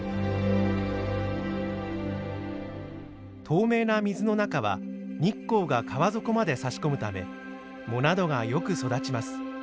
透明な水の中は日光が川底まで差し込むため藻などがよく育ちます。